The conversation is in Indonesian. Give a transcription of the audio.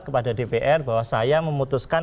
kepada dpr bahwa saya memutuskan